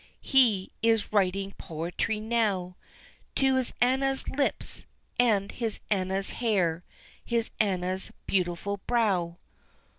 he is writing poetry now, To his Anna's lips, and his Anna's hair, his Anna's beautiful brow."